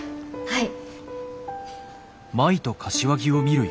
はい。